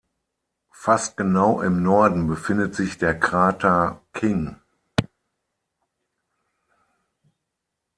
Fast genau im Norden befindet sich der Krater King.